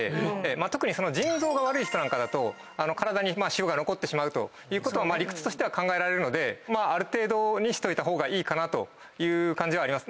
特に腎臓が悪い人だと体に塩が残ってしまうということは理屈としては考えられるのである程度にしておいた方がいいかなという感じはあります。